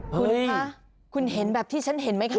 คุณคะคุณเห็นแบบที่ฉันเห็นไหมคะ